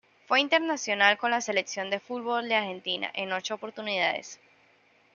Fue internacional con la Selección de fútbol de Argentina en ocho oportunidades.